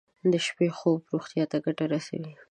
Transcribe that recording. د شپې خوب روغتیا ته ګټه رسوي.